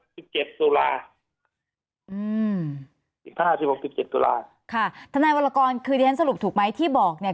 สิบเจ็บสุราค่ะทนายวรกรคือในทั้งสรุปถูกไหมที่บอกเนี้ย